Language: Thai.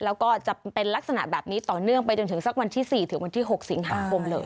แล้วก็จะเป็นลักษณะแบบนี้ต่อเนื่องไปจนถึงสักวันที่๔ถึงวันที่๖สิงหาคมเลย